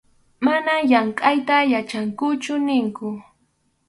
Manam llamkʼayta yachankuchu ninkun.